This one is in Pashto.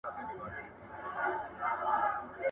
• چي زه او ته راضي، ښځه غيم د قاضي.